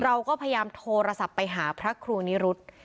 เราก็พยายามโทรศัพท์ไปหาพระครูนิรุธ